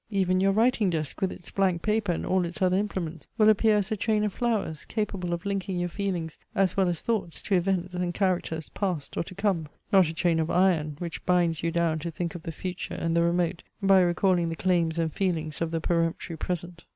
Even your writing desk with its blank paper and all its other implements will appear as a chain of flowers, capable of linking your feelings as well as thoughts to events and characters past or to come; not a chain of iron, which binds you down to think of the future and the remote by recalling the claims and feelings of the peremptory present.